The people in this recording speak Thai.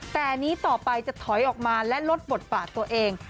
แต่อันนี้ต่อไปจะถอยออกมาและลดบทบาทตัวเอง